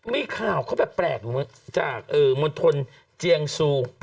มีข่าวเขาแบบแปลกจากมณฑลเจียงซู